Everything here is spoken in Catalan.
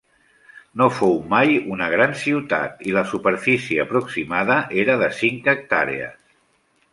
No fou mai una gran ciutat i la superfície aproximada era de cinc hectàrees.